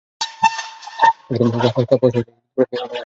কাডাপা শহরটি হল এই জেলার জেলাসদর।